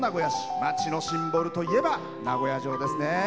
街のシンボルといえば名古屋城ですね。